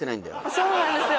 そうなんですよ